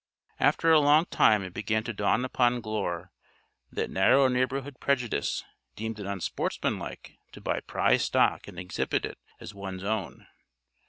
After a long time it began to dawn upon Glure that narrow neighborhood prejudice deemed it unsportsmanlike to buy prize stock and exhibit it as one's own.